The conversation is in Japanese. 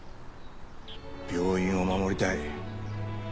病院を守りたい。